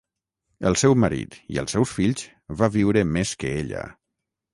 El seu marit i els seus fills va viure més que ella.